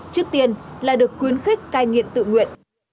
trước tiên là được khuyến khích cai nghiện tự nguyện